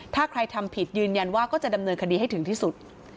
ถ้าใครทำผิดยืนยันว่าก็จะดำเนินคดีให้ถึงที่สุด